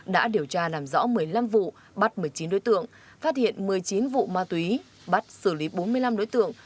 đã điều tra làm rõ một mươi năm vụ bắt một mươi chín đối tượng phát hiện một mươi chín vụ ma túy bắt xử lý bốn mươi năm đối tượng